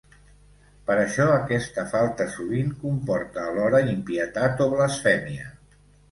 Per això aquesta falta sovint comporta alhora impietat o blasfèmia.